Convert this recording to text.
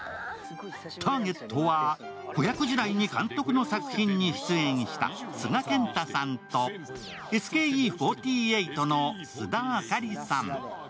ターゲットは子役時代に監督の作品に出演した須賀健太さんとＳＫＥ４８の須田亜香里さん。